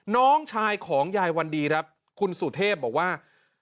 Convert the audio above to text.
น้องชายของยายวันดีครับคุณสุเทพบอกว่า